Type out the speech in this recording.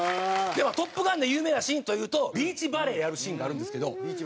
『トップガン』で有名なシーンというとビーチバレーやるシーンがあるんですけど。